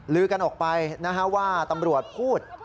ลือกันออกไปว่าตำรวจพูด